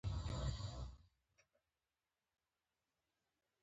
د الله ج په بندګانو د الله تعالی د احکام تطبیقول.